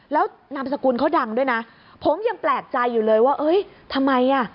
แล้วนามสกุลเขาดังด้วยนะผมยังแปลกใจอยู่เลยว่าเอ้ยทำไมอ่ะ